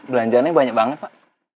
belanjarannya banyak banget pak